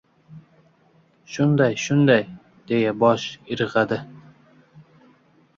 — Shunday, shunday! — deya bosh irg‘adi.